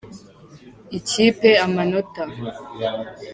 Ikipe Amanota.